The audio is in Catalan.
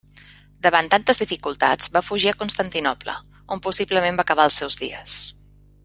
Davant tantes dificultats va fugir a Constantinoble, on possiblement va acabar els seus dies.